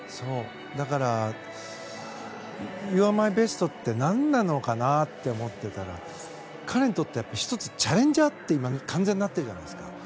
だから、「ＹｏｕＡｒｅＭｙＢｅｓｔ」って何なのかなって思ってたら彼にとっては１つチャレンジャーって感じになってるじゃないですか。